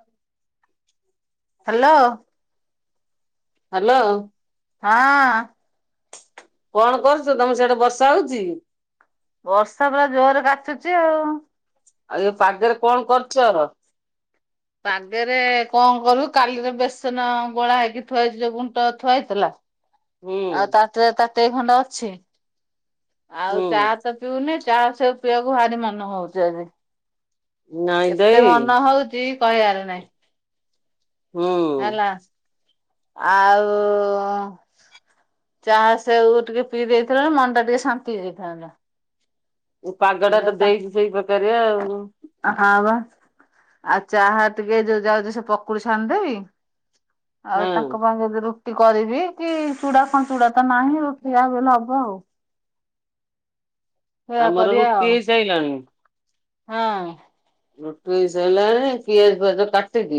ହଁ। Hello hello. ହଁ। କଣ କରୁଚୁ ତମର ସାଡେ ବର୍ଷା ହଉଚି? ବର୍ଷା ପୁରା ଜୋରେ କାଚୁଚି ଆଉ। ଆଉ ଏ ପାଗରେ କଣ କରୁଚ? ପାଗରେ କଣ କରିବୁ, କାଲିର ବେସନ ଗୋଳା ହେଇକି ଥୁଆ ହେଇଛି ଯୋଉ ଗୁଣ୍ଟ ଥୁଆ ହେଇଥିଲା ହୁଁ ଆଉ ତାଟିଆରେ ତାଟିଆଇ ଖଣ୍ଡେ ଅଛି। ହୁଁ ଆଉ ଚା ତ ପିଉନି ଚା ସେଉ ପିଇବାକୁ ଭାରି ମନ ହଉଛି ଆଜି। ନାଇଁ ଏତେ ଦେଇ ମନ ହଉଛି କହିବାରେ ନାଇଁ। ହେଲା। ହୁଁ ଆଉ ଚା ସେଉ ଟିକେ ପିଇ ଦେଇଥିଲେ, ମନଟା ଟିକେ ଶାନ୍ତି ହେଇଯାଇଥାନ୍ତା। ଏଇ ପାଗଟା ହଁ ତ ଦେଇଛି ସେଇ ପ୍ରକାରିଆ ଆଉ। ହଁ ବା। ଆଉ ଚାହା ଟିକେ ଯୋଉ ଯାଉଛି ସେ ପକୁଡି ଛାଣିଦେବି ଆଉ ହଁ ତାଙ୍କ ବାଙ୍ଗଦରୁ କରିବି କି ଚୁଡା କଣ ଚୁଡା ତ ନାହିଁ ଖିଆ ହେବ ବୋଇଲେ ହବ ଆଉ। ସେଇଆ ଆମର କରିବା ରୁଟି ଆଉ, ହେଇସାଇଲାଣି ହଁ। ରୁଟି ସଇଲାଣି ପିଆଜ ଫିଆଜ କାଟିକି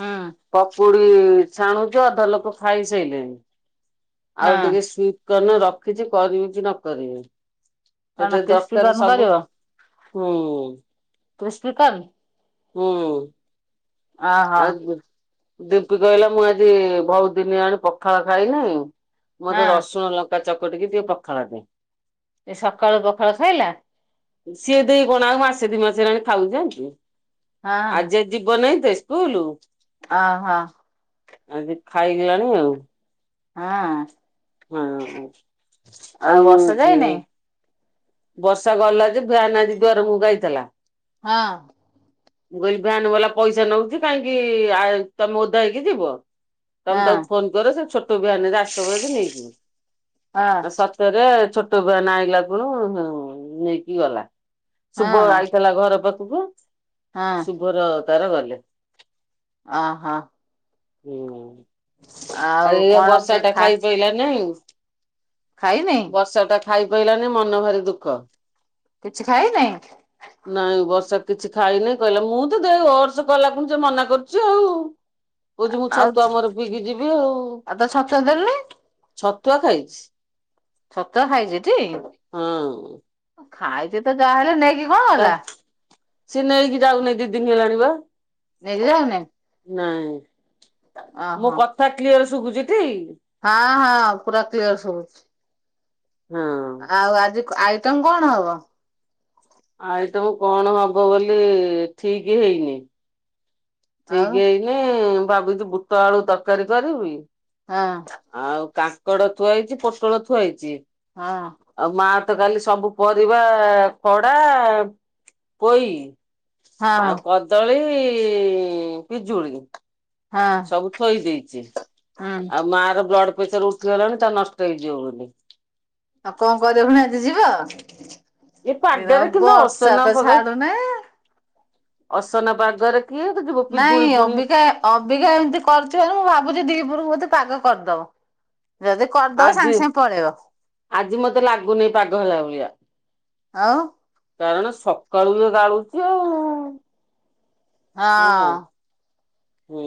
ହଁ ପୁରୀ ଛାଣୁଛୁ ଅଧା ଲୋକ ଖାଇସାଇଲେଣି, ଆଉ ହଁ ଟିକେ ଉନ ରଖିଛି କରିବି କି ନ କରିବି, କଣ ସେଥେରେ କ୍ରିସ୍ପି ଦରକାର କର୍ନ ସବୁ ହୁଁ। କୃଷ୍ଣକଲ। ହୁଁ। ଅ ହଁ। ଦିପି କହିଲା ମୁଁ ଆଜି ବହୁତ ଦିନ ହେଲାଣି ପଖାଳ ଖାଇନି ମତେ ହଁ ରସୁଣ, ଲଙ୍କା ଚକଟିକି ଟିକେ ପଖାଳ ଦେ। ଏ ସକାଳୁ ପଖାଳ ଖାଇଲା? ସିଏ ଦେଇ କଣ ଆଉ ମାସେ ଦି ମାସେ ହେଲାଣି ଖାଉନି ଜାଣିଚୁ, ହଁ ଆଜି ଯିବ ନାହିଁ ତ କୁଲୁ? ଅ ହଁ। ଆଜି ଖାଇଗଲାଣି ଆଉ। ହଁ। ହଁ ବର୍ଷା ଆଉ ଯାଇନେଇ? ବର୍ଷା ଗଲା ଯେ ଭ୍ୟାନ୍ ଆଜି ଦୁଆର ମୁହ କୁ ଆଇଥିଲା। ହଁ। ମୁଁ କହିଲି ଫ୍ୟାନ ବାଲା ପଇସା ନଉଚି କାହିଁକି ଆ ତମେ ଓଦା ହେଇକି ଯିବ? ତମେ ତାକୁ ହଁ ଫୋନ କର ସେ ଛୋଟ ଭ୍ୟାନ୍ ରେ ଆସ୍ ଥିବ ଯଦି ନେଇଯିବ। ହଁ ଆ ସତରେ, ଛୋଟ୍ ନା ଆଇଲା ଖୁଣୁ ନେଇକି ଗଲା, ଶୁଭ ହଁ ଆଇଥିଲା ଘର ପାଖ ଖୁବ ହଁ ଶୁଭର ତାର ଗଲେ। ଅ ହ। ହୁଁ। ଆଉ ଏଇଆ କଣ ବର୍ଷା ଯେ ଟା ଖା ଖାଇ ପାଇଲା ନାଇ। ଖାଇନେଇ? ଖାଇ ପାଇଲାନି ମନ ଭାରି ଦୁଃଖ। କିଛି ଖାଇନେଇ? ନାଇଁ ବର୍ଷା କିଛି ଖାଇନେଇ କହିଲା ମୁଁ ତ ଦେଉ ଅର୍ଷ କଲାକୁଣି ସେ ମନା କରୁଛି ଆଉ। କହୁଚି ମୁଁ ଆଉ ଛତୁଆ ମୋର ପିିକି ଯିଵ୍ ଆଉ ତାକୁ ଛତୁଆ ଦେଲୁନି? ଛତୁଆ ଖାଇଚି। ଛତୁଆ ଖାଇଚି ଟି? ହଁ। ଖାଇଚି ତ ଯାହାହେଲେ ନେଇକି କଣ ତା ଗଲା? ସିଏ ନେଇକି ଯାଉନେଇ ଦି ଦିନ ହେଲାଣିିବା। ନେଇକି ଯାଉନାଇ? ନାଇଁ ମୋ କଥା କ୍ଲିୟର ଶୁବୁଚି ଟି? ହଁ ହଁ ପୁରା କ୍ଲିଅର ସୁବୁଚି। ହଁ। ଆଉ ଆଜି କ-ଆଇଟମ କଣ ହବ? ଆଇଟମ୍ କଣ ହବ ବୋଲି ଠିକି ହେଇନି। ଆଉ ଠିକି ହେଇନି ଭାବୁଚି ବୁଟ ଆଳୁ ତରକାରୀ କରିବି ହଁ ଆଉ କାଙ୍କଡ ଥୁଆ ହେଇଚି, ପୋଟଳ ଥୁଆ ହେଇଚି । ହଁ। ତ କାଲି ସବୁ ପରିବା କଡା, ପୋଇ। ହଁ ଆଉ କଦଳୀ, ପିଜୁଳି। ହଁ ସବୁ ଥୋଇ ଦେଇଚି, ହୁଁ ଆଉ ମା ର ବ୍ଲଡ୍ ପେସର ଉଠିଗଲାଣି ତା ନଷ୍ଟ ହେଇ ଯିବ ବୋଲି। ଆଉ କଣ କରିବ ଫୁଣି ଆଜି ଯିବ? ଏ ଏରା ପାଗରେ କିନ୍ତୁ ବର୍ଷା ଅସନା ତ ପଦ ଛାଡୁନି। ଅସନା ପାଗରେ କିଏ ଯିବ ପିଜୁଳି ନାଇଁ ପୁଣି ଅବିକା ଅବିକା ଏମିତି କରିଥିବ ମୁଁ ଭାବୁଛି ଦିପୁହର କୁ ବୋଧେ ପାଗ କରିଦବ। ଯଦି କରିଦବ ଆଜି ସାଙ୍ଗେ ସାଙ୍ଗେ ପଳେଇବ। ଆଜି ମତେ ଲାଗୁନି ପାଗ ହେଲା ଭଳିଆ। ଆଉ। କାରଣ ସକାଳୁ ବି ଢାଳୁଛି ଆଉ। ହଁ। ହୁଁ।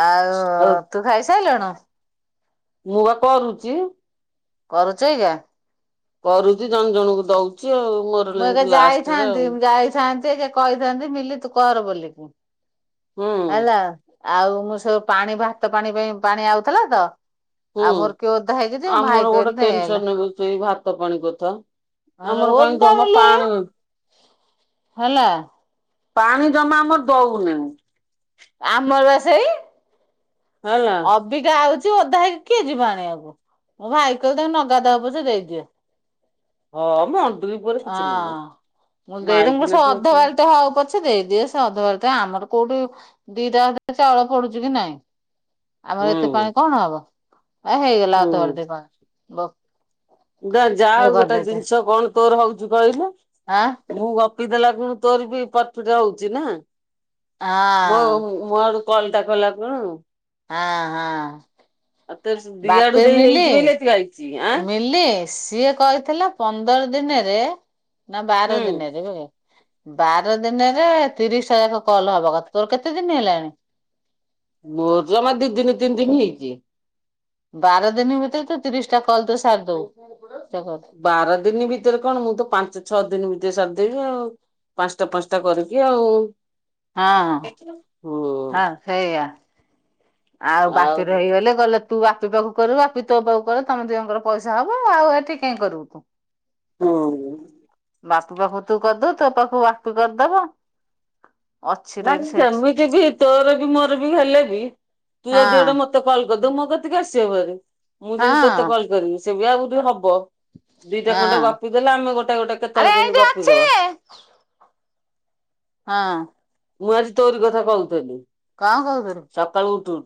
ଆଉ ତୁ ଖାଇ ସାଇଲୁଣୁ। ମୁଁ ବା କରୁଛି। କରୁଛୁ ଏଇଗା। କରୁଛି ଜଣ ଜଣଙ୍କୁ ଦଉ ମୁଁ ଏକା ଯାଇଥାନ୍ତି। ଯାଇଥାନ୍ତି ଏକା କହିଥାନ୍ତି ମିଲି ତୁ କର ବୋଲିକି। ହୁଁ। ହେଲା। ଆଉ ମୁଁ ସବୁ ପାଣି ଭାତ ପାଣି ପାଇଁ ପାଣି ଆଉଥିଲା ତ। ଆଉ ହୁଁ ମୋର କିଏ ଓଦା ହେଇକି ଯିବ ଭାଇ ଆମର ଗୋଟେ କହିଲେ ନେଇ ଆଇଲା ଟେନ୍ସନ ରହୁଛି। ଏଇ ଭାତ ପାଣି କଥା। ଆମର କାଇଁ ଓଦା ଜମା ବୋଲି ପାଣି ହେଲା ପାଣି ଜମା ଆମର ଦଉନି। ଆମର ପା ସେଇ ହେଲା ଅବିକା ଆଉ ଓଦା ହେଇକି କିଏ ଯିବ ଆଣିବାକୁ। ମୋ ଭାଇ କହିଲି ତମେ ନ ଗାଧାଅ ପଛେ ଦେଇଦିଏ। ହଁ ମ ଅଁ ମୁଁ ଦେଡଙ୍କୁ ମାଇକିନା ସେ ଝିଅ ଅଧ ଅଛନ୍ତି ବାରଟେ ହଉ ପଛେ ଦେଇଦିଏ। ସେ ଅଧ ବା ଆମର କୋଉଠି ଦିଟା ଚାଉଳ ପଡୁଛି କି ନାଇଁ। ଆମର ଏତେ ହୁଁ ପାଣି କଣ ହବ। ଏ ହେଇଗଲା ଅଧ ବାଲ୍ଟି ପାଣି। ବ ହୁଁ ଯା ଗୋଟେ ଜିନିଷ କଣ ତୋର ହଉଛି କହିଲୁ। ମୁଁ ଗପି ଦେଲାକୁଣି ତୋର ବି ପରଫୀଟ୍ ହଉଛି ନା। ମୋ ମୋ ଆଡୁ କଲ ଟା କଲା କୁଣୁ ହାଁ ହାଁ। ତୋର ଦିଆଡୁ ବାପେ ଦେଇ ମିଲି ହେଇଛି ବୋଲି ଏତିକି ଆଇଛି ଆଁ ମିଲି ସିଏ କହିଥିଲା ପନ୍ଦ ପନ୍ଦର ଦିନରେ ନା ବାର ହୁଁ ଦିନରେ ବାର ଦିନରେ ତିରିଶ୍ ଟା ଯାକ କଲ୍ ହବା କଥା। ତୋର କେତେ ଦିନି ହେଲାଣି? ମୋର ଜମା ଦିଦିନି ତିନି ଦିନି ହେଇଛି। ବାର ଦିନି ଭିତରେ ତୁ ତିରିସ୍ ଟା କଲ୍ ତୁ ସାରି ଦଉ। ବାର ଦିନ ଭିତରେ କଣ ମୁଁ ତ ପାଞ୍ଚ ଛଅ ଦିନି ଭିତରେ ସାରିଦେବି ଆଉ। ପାଞ୍ଚଟା ପାଞ୍ଚଟା କରିକି ଆଉ। ହଁ ହୁଁ ହଁ ସେଇଆ। ଆଉ ବାକି ଦେଇଗଲେ ଗଲ ତୁ ବାପି ପାଖକୁ କରିବୁ। ବାପି ତୋ ପାଖକୁ କରୁ ତମେ ଦୁଅଙ୍କର ପଇସା ହବ। ଆଉ ଏଠି କାଇହିଁ କରିବୁ ତୁ। ହୁଁ ହୁଁ। ବାପୁ ପାଖକୁ ତୁ କରିଦବୁ। ତୋ ପାଖକୁ ବାପୁ କରିଦବ। ଅଛି ନାଇଁ ରେଟ୍ ସେଠି ସେମିତି ବି ତୋର ବି ମୋର ବି ହେଲେ ବି ତୁ ଯଦି ହଁ। ଗୋଟେ ମତେ କଲ କରିଦବୁ ମୋ କତିକି ଆସିବ ଭାରି। ମୁଁ ଯଦି ତୋତେ ହଁ କଲ୍ କରିବି ସେ ବି ଆଉ ହବ। ଦିଟା ଖଣ୍ଡେ ହଁ। ଗପି ଦେଲେ ଆମେ ଗୋଟା ଗୋଟେ ଆରେ କେତଲେ କେମିତି ଏଇଠି ଗପି ଅଛି। ଦବା। [inaudible] ହଁ। ମୁଁ ଆଜି ତୋରି କଥା କହୁଥିଲି। କଣ କହୁଥିଲୁ? ସକାଳୁ ଉଠୁ ମୁଁ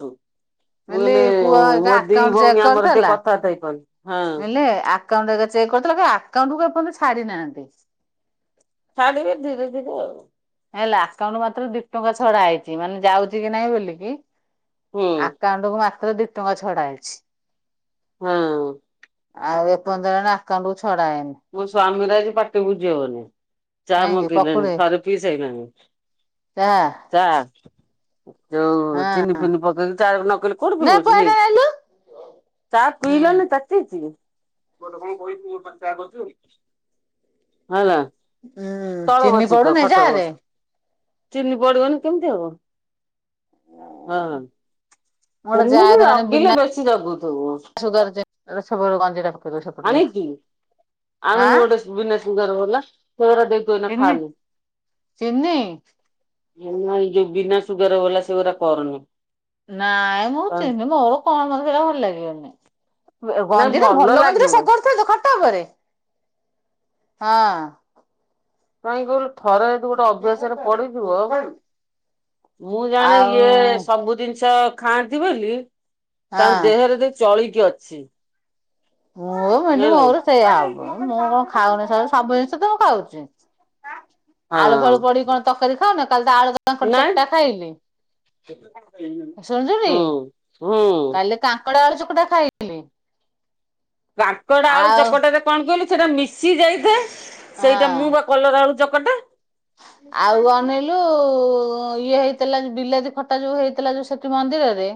ମିଲି କହିଲି ପୁଅ ଏକା ମୋର ଦି ଆକାଉଣ୍ଟ ଚେକ୍ ଭଉଣୀ ଆମର ଟିକେ କରିଥିଲା। କଥାବାର୍ତା ହେଇପାରୁନୁ। ହଁ। କାଉଣ୍ଟ ହେକା ଚେକ୍ କରିଥିଲା। ଆକାଉଣ୍ଟ କୁ ଏପନ୍ତ ଛାଡି ନାହାଁନ୍ତି। ଛାଡ଼ିବେ, ଧୀରେ ଧୀରେ ଆଉ। ହେଲା, ଆକାଉଣ୍ଟ ମାତ୍ର ଦି ଟଙ୍କା ଛଡା ହେଇଛି। ମାନେ ଯାଉଛି କି ନାହିଁ ବୋଲିକି ହୁଁ ଆକାଉଣ୍ଟ କୁ ମାତ୍ର ଦି ଟଙ୍କା ଛଡା ହେଇଛି। ହଁ। ଆଉ, ଏ ପନ୍ଦରଣା ଆକାଉଣ୍ଟକୁ ଛଡାଏନି। ଆମର ଆଜି, ପାଟି ବୁଜି ହବନି। ଚା! ମୁଁ କାହିଁକି ପି ବିଣି। ପକୁଡି ଥରେ ପି ସାଇଲିଣି, ଯା ଚାଆ ଯୋଉ, ହଁ ଚିନି ଫିନି ପକେଇକି ଚା ନକଲେ, କୋଉଠି ନେ ପିବ ପୁଅ ଚିନି। ଏଇଟା ନେଲୁ ଚା, ହୁଁ ପିଇଲ ନା ତାତିଚି? ହେଲା। ଉଁ ତଳେ ଚିନି ବସି କହ। ପଡୁନି ଖଟରେ ଚାରେ ବସ୍। ଚିନି ପଡିବନି କେମିତି ହବ? ହଁ। ମୋର, ସେମିତି ଯାଆସ ମାନେ ଜଗିଲେ ବିନା ବେଶୀ ଜଗୁଥିବୁ। ସୁଗାର ଚି ଏ ଛବର ଗଞ୍ଜିଟା ପକେଇଦବୁ, ସେପଟରେ। ଆ ଆନୁଣୁ ଗୋଟେ ସ ବିନା ସୁଗର ବଲା। ତୋର ଦେଖତୁ ଏଇନା ଚିନି ଖାନି। ଚିନି ବିନା, ଏ ଯଉ ବିନା ସୁଗର ବାଲା, ସେଉରା କରନି। ନାଇଁ, ମୁଁ, ଚିହ୍ନି ମୋର କଣ ହେରା ଭଲ ଲାଗିବନି। ନାଇଁ ଗଞ୍ଜିଟା ଭଲ ଗଞ୍ଜିଟା, ଲାଗିବ ସେ ଘର ଥୋଇଦେ ଖଟ ଟପ୍ ରେ। ହଁ, କହିଁକି କହିଲୁ! ଥରେ ଯଦି ଗୋଟେ ଅଭ୍ୟାସରେ ପଡିିଯିବ! ଆଉ ମୁଁ, ଜାଣେ ଆଉ ଇଏ, ସବୁ ଦିନଷ ଖାଆନ୍ତି ବୋଲି! ତାଙ୍କ ହଁ ଦେହରେ ଦେଖ୍ ଚଳିକି ଅଛି। ମୁଁ ମେନ୍ଲି ଜାଣିଲୁ ମୋର ସେଇଆ ହବ। ମୁଁ କଣ ଖାଉନି, ସ-ସବୁ ଜିନିଷ ତ ମୁଁ ଖାଉଛି! ଆଳୁ, ଫାଳୁ ହଁ ପଡି କଣ ତରକାରୀ ଖାଉନ? କାଲି ତ ଆଳୁକାଙ୍କଡ଼ ନାଇଁ ଚକଟା ଖାଇଲେ। ଶୁଣଛୁଟି! ହୁଁ ହୁଁ କାଲି କାଙ୍କଡ ଆଳୁ ଚକ୍ ଚୁଡା ଖାଇଥିଲି। କାଙ୍କଡ, ଆଳୁ ଚକଟାରେ କଣ କହିଲୁ, ସେଟା ମିଶି ଯାଇଥାଏ। ସେଇଟା ହଁ। ମୁଁ ବା କଲରା, ଆଳୁ ଚକ୍ କୋଟେ ଆଉ ଅନେଇଲୁ-ଉ-ଉ -ଉଁ-ଇ ଇଏ ହେଇଥିଲା, ଯ ବିଲାତି ଖଟା ଯୋଉ ହେଇଥିଲା, ଯୋଉ ସେଠି ମନ୍ଦିରରେ।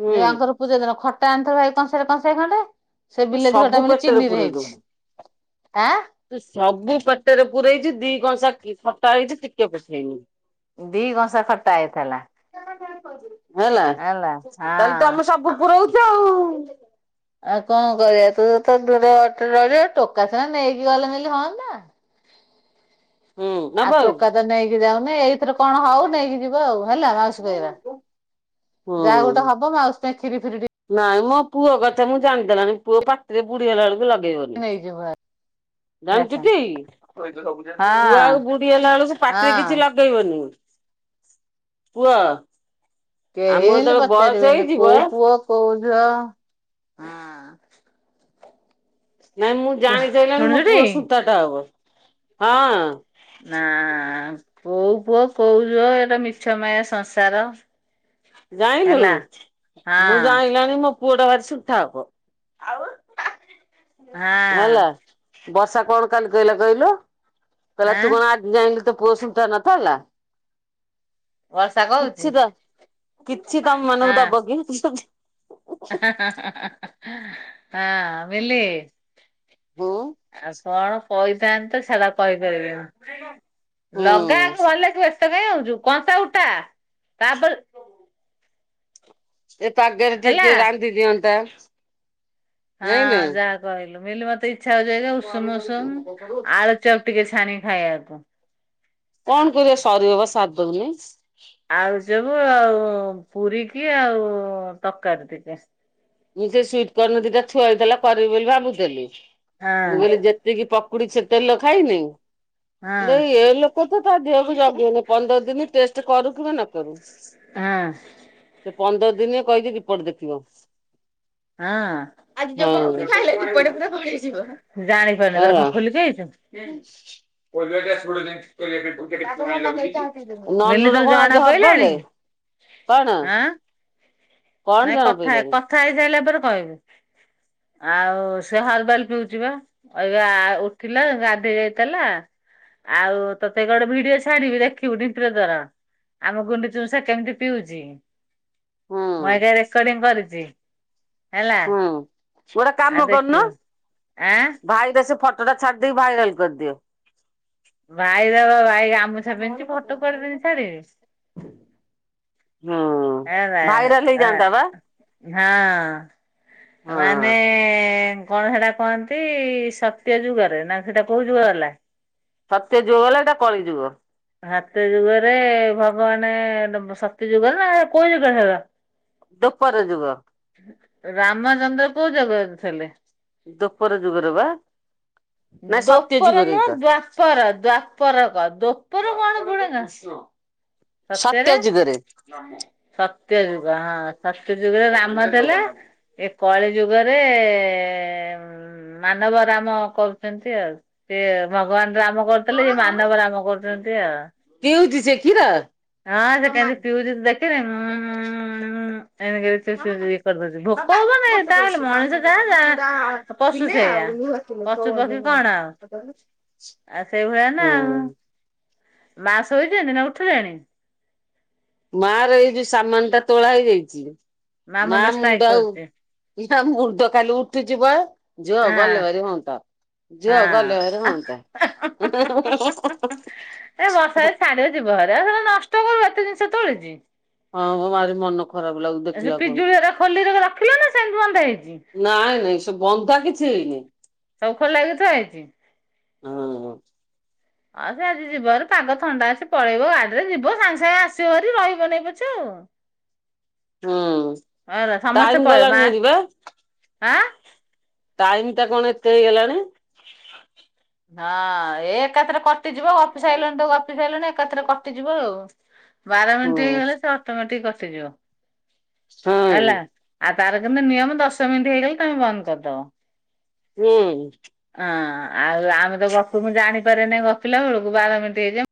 ହୁଁ ଯୋଉଆଙ୍କର ପୂଜାଦିନ। ଖଟା ଆଣିଥିଲେ ଭାଇ କଂସାରେ କଂସେ ଖଣ୍ଡେ ସେ ତୁ ବିଲାତି ଖଟା ସବୁ ମୁଲି ପେଟରେ ଚିନିରେ ପୁରେଇଲୁ ହେଇଛି। ଆଁ ତୁ ସବୁ ପେଟରେ ପୂରେଇଛି। ଦି କଂସା ଖଟା ହେଇଛି ଟିକେ ପଠେଇନି। ଦି କଂସା ଖଟା ଆଇଥିଲା। ହେଲା, ତା'ହେଲେ ତମେ ସବୁ ପୁରଉଛ ଆଉ। ଆଉ କଣ କରିବା? ତୁ ତ ଦୂର ଅଟୋ ରଇଲୁ। ଟୋକା ସିନା ନେଇକି ଗଲେ ବିଲି ହଅନ୍ତା! ହୁଁ ନା ଆଉ, ବୋଉ ଟୋକା ତ ନେଇକି ଯାଉ ନା ଏଇଥିରେ କଣ ହଉ ନେଇକି ଯିବ ଆଉ? ହେଲା ମାଉସୀ କହିବା ଯାହା ହୁଁ ଗୋଟେ ହବ ମାଉସ ନାଇଁ, ମୋ ପୁଅ କଥା ମୁଁ ଜାଣିଦେଲାନି, ପୁଅ ପାଟିରେ ବୁଢୀହେଲା ବେଳକୁ ଲଗ ନେଇ ଯିବ ଆ ଜାଣିଚୁଟି! ହଁ ପୁଅ ଆଉ ବୁଢୀ ହେଲାଅଳକୁ ପାଟିରେ କିଛି ହଁ। ଲଗେଇବନି। କୁଅ। କେହି ହେଲେ ପଚାରିବେନି? କୋଉ ପୁଅ କୋଉ ଝଅ, ହଁ। ନାଇଁ ମୁଁ ଜାଣି ସାଇଲାଣି ମୋ ପୁଅ ଶୁଣିଲୁଟି? ଶୁଣ୍ଠା ଟା ହବ। ହଁ। ନା-ଆ-ଆ କୋଉ ପୁଅ! କୋଉ ଝୁଅ! ଏଟା ମିଛ ମାୟା ସଂସାର। ଜାଇଁଲୁ ହେଲା ହଁ ମୁଁ ଜାଇଁଲାଣିି ମୋ ପୁଅଟା ଭାରି ସିଧା ହବ ଆଉ ହଁ ହେଲା ବର୍ଷା କଣ କାଲି କହିଲା କହିଲୁ? କହିଲା ଆଁ ତୁ କଣ ଆଜି ଜାଇଁଲୁ ତୋ ପୁଅ ସିଧା ନଥିଲା। ବର୍ଷା କିଛି କହୁଚି ତ କିଛି ତମ ମାନଙ୍କୁ ଦବ କି? ହଁ ମିିଲି ହୁଁ ଆଉ କଣ କହିଥାନ୍ତି ତ ଛାଡ଼ କହିପାରିବିନି। ହୁଁ ଲଗା ଆଗ ଭଲ କି ବ୍ୟସ୍ତ କାଇଁ ହଉଛୁ କଂସା ଉଠା, ତାପରେ ଏ ପାଗରେ ଟିକେ ହେଲା କିଏ ରାନ୍ଧି ଦିଅନ୍ତା ଜାଇଁଲୁ। ହଁ। ଯାହା କହିଲୁ ମିଲି ମତେ ଇଚ୍ଛା ହଉଚି ଅଇକା କଣ ଉଷୁମ ଉଷୁମ କରିବା ଆଳୁଚପ ଟିକେ ଛାଣିକି ଖାଇଆକୁ। କଣ କରିବା ସରିବ ବା ସାରିଦଉନି? ଆଳୁଚପ ଆଉ ପୁରୀ କି ଆଉ ତରକାରୀ ଟିକେ। ମୁଁ ସେ ସୁଇଟ୍ କର୍ଣ୍ଣ ଦିଟା ଥୁଆ ହେଇଥିଲା କରିବି ବୋଲି ଭାବୁଥେଲି। ହଁ ମୁଁ କହିଲି ଯେତିକି ପକ କୁଡି ସେ ତେଲ ଖାଇନି? ହଁ ଦେଇ ଏ ଲୋକ ତ ତା ଦେହକୁ ଜଗେନେଇଁ, ପନ୍ଦର ଦିନ ଟେଷ୍ଟ କରୁ କିବା ନ କରୁ। ହଁ। ସେ ପନ୍ଦର ଦିନେ କହିଚି ରିପୋର୍ଟ ଦେଖିବ। ହଁ। ଆଜି ଜମା ପୁଣି ଖାଇଲେଣି କୁଆଡ଼େ ପୁରା ପଳେଇଯିବ। ଜାଣି ପାରୁନି ତୋର କଣ ଖୋଲିକି ଆଇଚୁ? [unintelligible] ମିଲି ନନୁର ତୋର କଣ ଜଣା ଆଜି ପଇଲାଣି? ହର୍ବାଲେ କଣ? ଆଁ କଣ ନାଇଁ ଜଣା କଥା ହେ ପଇଲାନି କଥା ହେଇସାଇଲା ପରେ କହିବୁ। ଆଉ ସେ ହରବାଲ ପିଉଚି ବା, ଅଇବା ଉଠିଲା ଗାଧେଇ ଯାଇଥେଲା ଆଉ ତୋତେ ଗୋଟେ ଭିଡିଓ ଛାଡ଼ିବି ଦେଖିବୁ ଡିଣ୍ଟୁର ତୋର। ଆମ ଗୁଣ୍ଡୁଚି ମୂଷା କେମିତି ପିଉଚି? ହୁଁ ମୁଁ ଆଗେ ରେକର୍ଡିଂ କରିଛି ହେଲା। ହୁଁ। ଗୋଟେ ଆଉ କାମ କରୁନ, ଦେଖିବୁ ଆଁ ଭାଇ ଦ ସେ ଫଟ ଫଟୋଟା ଛାଡିଦେଇ ଭାଇରାଲ କରିଦିଅ। ଭାଇ ବା ଭାଇ ଗାମୁଛା ପିନ୍ଧିଛି ଫଟୋ କୁଆଡ଼େ ଉଠେଇ ହୁଁ ଛାଡିବେ। ଭାଇରାଲ ହେଇଯାଆନ୍ତା ବା [unintelligible] ହଁ। ହଁ ମାନେ କଣ ସେଟା କହନ୍ତି ସତ୍ୟ ଯୁଗରେ ନା ସେଟା କୋଉ ଯୁଗ ଗଲା? ସତ୍ୟଯୁଗ ଗଲା ଏଇଟା କଳିଯୁଗ। ହାତ ଯୁଗରେ ଭଗବାନ ସତ୍ୟ ଯୁଗରେ ନା କୋଉ ଯୁଗରେ ହେଲା? ଦ୍ୱାପର ଯୁଗ। ରାମଚନ୍ଦ୍ର କୋଉ ଯୁଗରେ ଥେଲେ? ଦୋପର ଯୁଗରେ ବା। ନାଇଁ ସତ୍ୟ ଦୋପର ଯୁଗରେ ନୁହଁ ଏଇଟା। ଦ୍ଵାପର ଦ୍ଵାପର କ ଦୋପର କଣ? [unintelligible] ସତ୍ୟଯୁଗରେ। ସତ୍ୟଯୁଗ ହଁ ସତ୍ୟଯୁଗରେ ରାମ ଥେଲେ କଳିଯୁଗରେ ଏ ହୁଁ ମାନବ ରାମ କରୁଚନ୍ତି ଆଉ ସେ ଭଗବାନ ରାମ କରୁଥିଲେ ଇଏ ମାନବ ରାମ କରୁଛନ୍ତି ଆଉ। ପିଉଚି ସେ କ୍ଷୀର? ହଁ ସେ କେନ୍ତି ପିଉଚି ତୁ ଦେଖିନଉ, ଉମ୍ ଉଁ ଉଁ ଉଁ ଉଁ ଏନ୍ତି କରିକି ସିଏ [unintelligible] ଇଏ କରିଦଉଚି। ବାବା ଗୋଟେ କରୁଛି, ମାଙ୍କ ପଚାରିଲି ଚୂଡା ପଶୁ କିଲେ, ସେଇଆ। ଆଉ ଲୁଣ କିଲେ ପଶୁ ପକ୍ଷୀ କଣ [unintelligible] ଆଉ ପଚାରିଲେ। ଆଉ ସେଇଭଳିଆ ନା ଆଉ, ମା ଶୋଇଚନ୍ତି ନା ଉଠିଲେଣି? ମାର ଏଇ ଯୋଉ ସାମାନ ଟା ତୋଳା ହେଇଯାଇଛି। ମା ମୁଣ୍ଡ ଆଉ ମା ମୁଣ୍ଡ କାଲି ଉଠିଯିବ। ଝୁଅ ଗଲେ ଭାରି ହୁଅନ୍ତା, ଝୁଅ ଗଲେ ହଁ ଭାର ହୁଅନ୍ତା। ହଁ। ଏ ବର୍ଷାରେ [unintelligible] କେତେ ଜିନିଷ ତଳିଛି? ହଁ ଆର ମନକୁ ଖରାପ ଲାଗୁ ସେ ଦେଖିଲା ଖୁଣି, ପିଜୁଳି ହେରା ଖୋଲିରେ ରଖିଲ ନା ସେମିତି ବନ୍ଧା ହେଇଛି ନାଇଁ ନାଇଁ ସେ ବନ୍ଧା କିଛି ହେଇନି। ସବୁ ଖୋଲା ହେଇକି ଥୁଆ ହେଇଚି? ହଁ। ହଉ ସେ ଆଜି ଯିବ ଭାରି, ପାଗ ଥଣ୍ଡା ଅଛି ପଳେଇବ ଗାଡିରେ ଯିବ ସାଙ୍ଗେ ସାଙ୍ଗେ ଆସିବରି ରହିବ ନେଇ ପଛେ ଆଉ। ହୁଁ ହ ଟାଇମ ସମସ୍ତେ ଗଲାଣି ପଳେଇବା, ହାରି ବା। ଆଁ? ଟାଇମ ଟା କଣ ଏତେ ହେଇଗଲାଣି? ହଁ ଏ ଏକାଥରେ କଟିଯିବ ଗପି ସାଇଲଣି ତ ଗପି ଆସିଲଣି ଏକାଥରେ କଟିଯିବ ଆଉ। ବାର ହୁଁ ମିନିଟ୍ ହେଇଗଲେ ସେ ଅଟୋ ମେଟିକ କଟିଯିବ। ହଁ। ହେଲା। ଆଉ ତାର କିନ୍ତୁ ନିୟମ ଦଶ ମିନିଟ୍ ହେଇଗଲେ ତମେ ବନ୍ଦ କରିଦବ। ହୁଁ। ହଁ ଆଉ ଆମେ ତ ଗପୁ ମୁଁ ଜାଣିପାରେନି ଗପିଲା ବେଳକୁ, ବାର ମିନିଟ ହେଇଯ